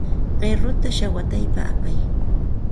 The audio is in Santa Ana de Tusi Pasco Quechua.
Qiruta shawataypa apay.